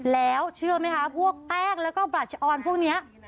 แล้วเชื่อไหมคะพวกแป้งแล้วก็บราชออนพวกนี้